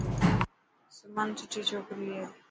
سمن سٺي ڇوڪري هي.